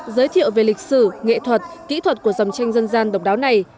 giới thiệu về lịch sử nghệ thuật kỹ thuật của dòng tranh dân gian độc đáo này